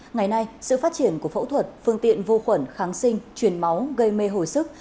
ngày nay sự phát triển của phẫu thuật phương tiện vô khuẩn kháng sinh truyền máu gây mê hồi sức